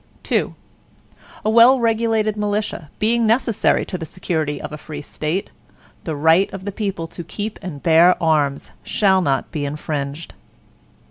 II A well regulated militia, being necessary to the security of a free State, the right of the people to keep and bear arms, shall not be infringed.